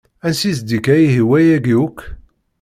Ansi i s-d-ikka ihi wayagi akk?